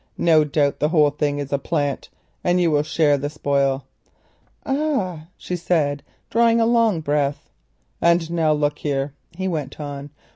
No doubt the whole thing is a plant, and you will share the spoil." "Ah!" she said, drawing a long breath. "And now look here," he went on.